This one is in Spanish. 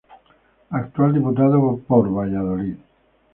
Actual Diputado por Valladolid.